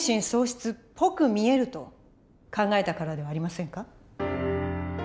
喪失っぽく見えると考えたからではありませんか？